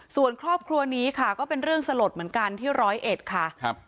ส่วนครอบครัวนี้ค่ะก็เป็นเรื่องสลดเหมือนกันที่ร้อยเอ็ดค่ะครับ